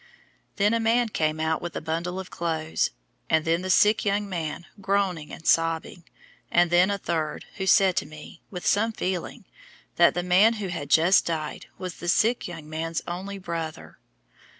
Then a man came out with a bundle of clothes, and then the sick young man, groaning and sobbing, and then a third, who said to me, with some feeling, that the man who had just died was the sick young man's only brother.